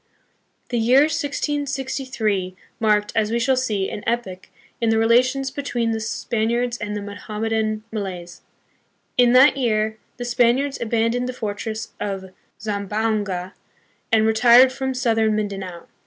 The year 1663 marked, as we shall see, an epoch in the relations between the Spaniards and the Mohammedan Malays. In that year the Spaniards aban doned the fortress of Zamboanga, and retired from south ern Mindanao.